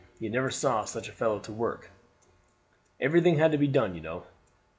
You never saw such a fellow to work. "Everything had to be done, you know.